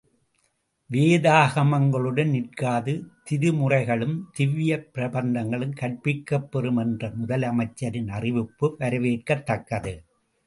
வேதாகமங்களுடன் நிற்காது திருமுறைகளும், திவ்யப் பிரபந்தங்களும் கற்பிக்கப் பெறும் என்ற முதலமைச்சரின் அறிவிப்பு, வரவேற்கத்தக்கது.